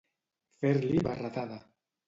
Fer-li barretada.